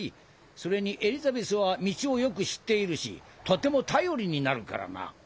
それにエリザベスは道をよく知っているしとても頼りになるからな。